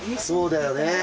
そうだよね。